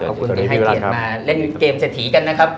ขอบคุณที่ให้เกียรติมาเล่นเกมเศรษฐีกันนะครับ